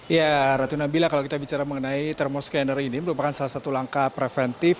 ya ratu nabila kalau kita bicara mengenai thermoscanner ini merupakan salah satu langkah preventif